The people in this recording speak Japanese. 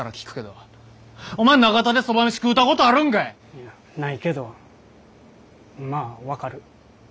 いやないけどまあ分かる。